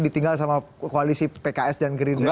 ditinggal sama koalisi pks dan gerindra